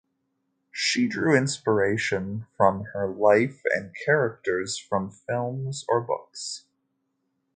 She drew inspiration from her life and characters from films or books.